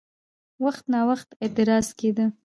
وخت ناوخت اعتراض کېده؛